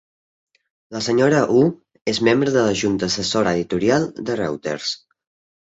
La senyora Hu és membre de la Junta Assessora Editorial de Reuters.